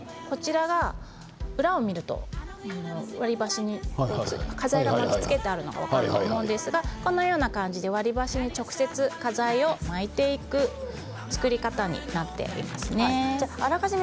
裏を見ると割り箸に花材が巻きつけてあるのが分かると思うんですがこのような感じで割り箸に直接花材を巻いていくあらかじめ